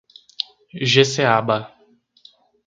Jeceaba